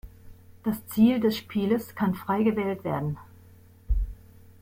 Das Ziel des Spieles kann frei gewählt werden.